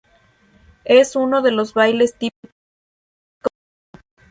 Es uno de los bailes típicos de Cerdeña.